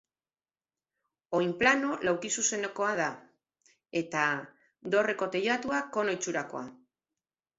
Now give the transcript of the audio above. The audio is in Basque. Oinplano laukizuzenekoa da eta dorreko teilatua kono itxurakoa.